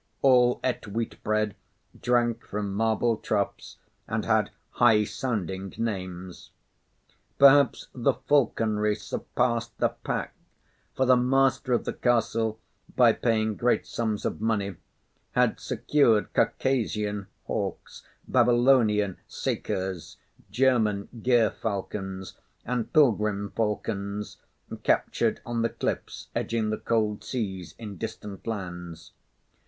All ate wheat bread, drank from marble troughs, and had high sounding names. Perhaps the falconry surpassed the pack; for the master of the castle, by paying great sums of money, had secured Caucasian hawks, Babylonian sakers, German gerfalcons, and pilgrim falcons captured on the cliffs edging the cold seas, in distant lands.